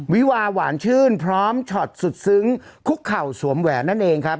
วิวาหวานชื่นพร้อมช็อตสุดซึ้งคุกเข่าสวมแหวนนั่นเองครับ